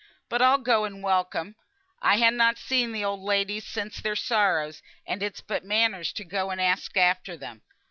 "But I'll go and welcome. I han not seen th' oud ladies since their sorrows, and it's but manners to go and ax after them.